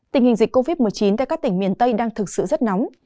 tình hình dịch covid một mươi chín tại các tỉnh miền tây đang thực sự rất nóng